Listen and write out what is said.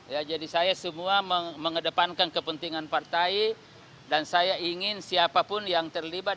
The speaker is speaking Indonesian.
ya jadi saya semua mengedepankan kepentingan partai dan saya ingin siapapun yang terlibat